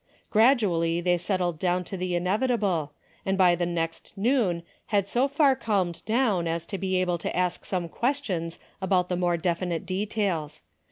Gradually they settled down to the in evitable, and by the next noon had so far calmed down as to be able to ask some ques tions about the more definite details.